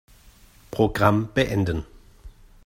Programm beenden.